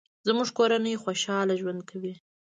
زموږ کورنۍ خوشحاله ژوند کوي